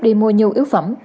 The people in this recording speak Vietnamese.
đi mua nhiều yếu phẩm